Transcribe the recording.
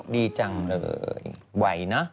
ดีจังเลยไหวนะ